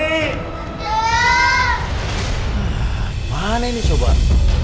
hah mana ini sobat